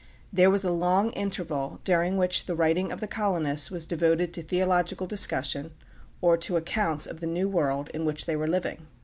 There was a long interval during which the writing of the colonists was devoted to theological discussion, or to accounts of the new world in which they were living.